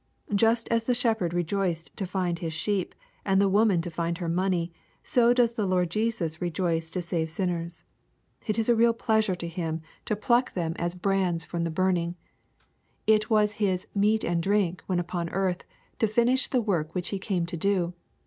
Just as the shepherd rejoiced to find his sheep, and the woman to find her money, so does the Lord Jesus rejoice to save dinners. It is a real pleasure to Him to pluck them an 176 EXPOSITORY THOUGHTS. brands from the burning. It was His ^' meat and drink," when upon earth, to finish the work which He came to do.